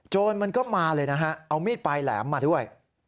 มันก็มาเลยนะฮะเอามีดปลายแหลมมาด้วย